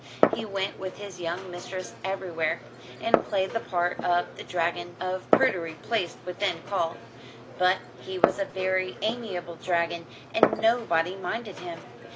He went with his young mistress everywhere, and played the part of the "dragon of prudery placed within call;" but he was a very amiable dragon, and nobody minded him.